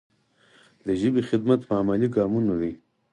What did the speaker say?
د ژبې خدمت په عملي ګامونو دی.